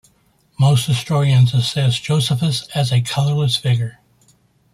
Most historians assess Josaphus as a colorless figure.